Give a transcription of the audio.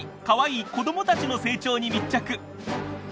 かわいい子どもたちの成長に密着。